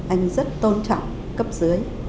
anh rất tôn trọng cấp dưới